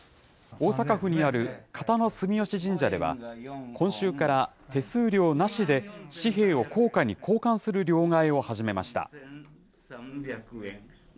大阪府にある交野住吉神社では、今週から手数料なしで、紙幣を硬貨に交換する両替を始めました。